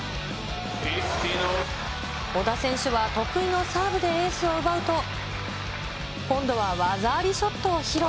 小田選手は得意のサーブでエースを奪うと、今度は技ありショットを披露。